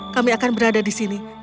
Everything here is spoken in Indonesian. kami akan berada di sini